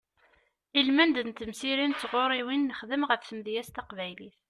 Ilmend n temsirin d tɣuriwin nexdem ɣef tmedyazt taqbaylit.